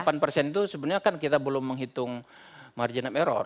delapan persen itu sebenarnya kan kita belum menghitung margin of error